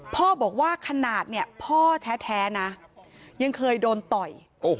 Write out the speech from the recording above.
พ่อบอกว่าขนาดเนี่ยพ่อแท้นะยังเคยโดนต่อย